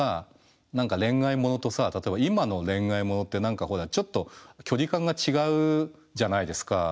例えば今の恋愛ものって何かほらちょっと距離感が違うじゃないですか。